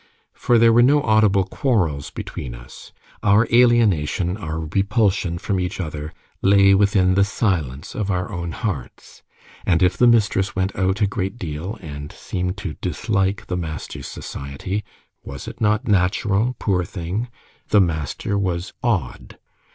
For there were no audible quarrels between us; our alienation, our repulsion from each other, lay within the silence of our own hearts; and if the mistress went out a great deal, and seemed to dislike the master's society, was it not natural, poor thing? The master was odd.